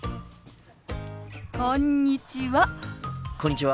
こんにちは。